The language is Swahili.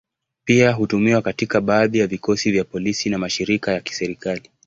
Pia hutumiwa katika baadhi ya vikosi vya polisi na mashirika ya kiserikali.